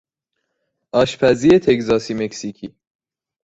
آشپزی تگزاسی - مکزیکی